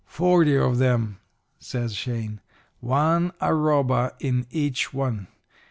"'Forty of 'em,' says Shane. 'One arroba in each one.